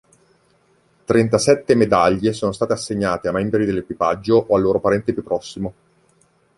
Trentasette medaglie sono state assegnate ai membri dell'equipaggio o al loro parente più prossimo.